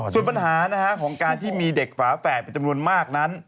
ส่วนปัญหาของการที่มีเด็กฝาแฝดเป็นจำนวนมากนั้น